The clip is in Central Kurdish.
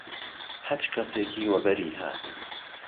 هەچ کهسێکی وهبهری هات